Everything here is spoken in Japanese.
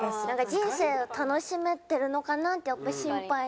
人生を楽しめてるのかな？ってやっぱ心配に。